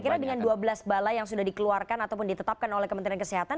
kira kira dengan dua belas balai yang sudah dikeluarkan ataupun ditetapkan oleh kementerian kesehatan